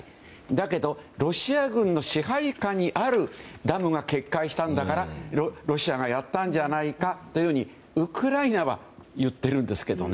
だけどロシア軍の支配下にあるダムが決壊したんだからロシアがやったんじゃないかというようにウクライナはいっているんですけどね。